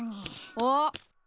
あっ。